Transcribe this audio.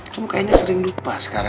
kamu kayaknya sering lupa sekarang